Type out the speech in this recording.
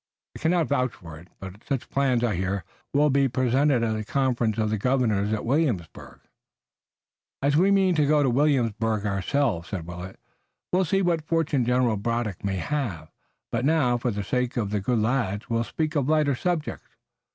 I cannot vouch for it, but such plans, I hear, will be presented at the conference of the governors at Williamsburg." "As we mean to go to Williamsburg ourselves," said Willet, "we'll see what fortune General Braddock may have. But now, for the sake of the good lads, we'll speak of lighter subjects.